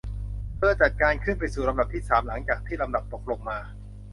เธอจัดการขึ้นไปสู่ลำดับที่สามหลังจากที่ลำดับตกลงมา